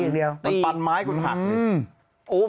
ดำเนินคดีต่อไปนั่นเองครับ